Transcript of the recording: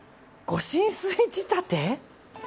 御神水仕立て。